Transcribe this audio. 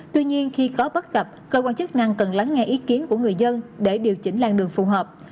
tuy nhiên khi có bất cập cơ quan chức năng cần lắng nghe ý kiến của người dân để điều chỉnh làng đường phù hợp